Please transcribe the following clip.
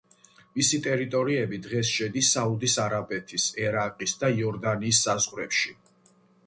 მისი ტერიტორიები დღეს შედის საუდის არაბეთის, ერაყის და იორდანიის საზღვრებში.